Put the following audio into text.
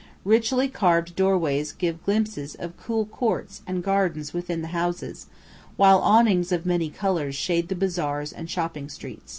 Richly carved doorways give glimpses of cool courts and gardens within the houses, while awnings of many colours shade the bazaars and shopping streets.